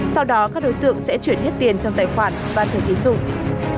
sau đó các đối tượng sẽ chuyển hết tiền trong tài khoản và thể thiết dụng